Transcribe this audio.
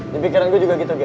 di pikiran gue juga gitu